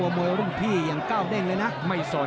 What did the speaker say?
มอบมือลูกพี่อย่างก้าวเด้งเลยนะไม่สน